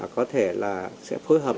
có thể là sẽ phối hợp